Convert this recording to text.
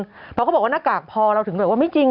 เพราะเขาบอกว่าหน้ากากพอเราถึงแบบว่าไม่จริง